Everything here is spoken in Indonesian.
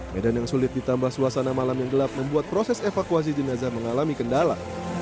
medan yang sulit ditambah suasana malam yang gelap membuat proses evakuasi jenazah mengalami kendala